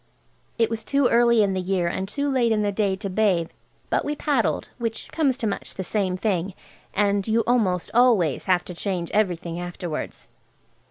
It was too early in the year and too late in the day to bathe, but we paddled, which comes to much the same thing, and you almost always have to change everything afterwards.